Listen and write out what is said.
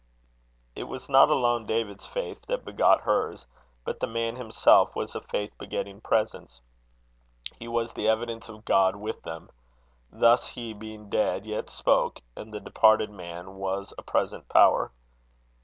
It was not alone David's faith that begot hers, but the man himself was a faith begetting presence. He was the evidence of God with them. Thus he, being dead, yet spoke, and the departed man was a present power.